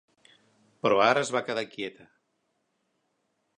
Però ara es va quedar quieta.